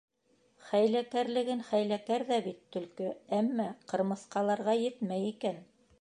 Хәйләкәрлеген хәйләкәр ҙә бит төлкө, әммә ҡырмыҫҡаларға етмәй икән.